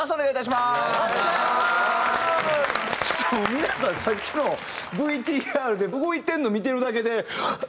しかも皆さんさっきのＶＴＲで動いてるの見てるだけではっ！